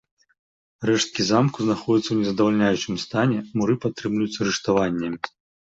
Рэшткі замку знаходзяцца ў нездавальняючым стане, муры падтрымліваюцца рыштаваннямі.